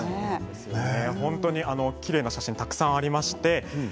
きれいな写真がたくさんありまして＃